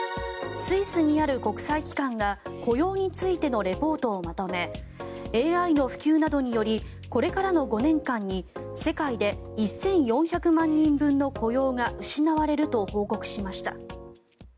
スイスにある国際機関が雇用についてのレポートをまとめＡＩの普及などによりこれからの５年間に世界で１４００万人分の雇用が失われると報告しました。